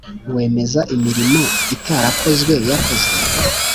wemeza imirimo itarakozwe yakozwe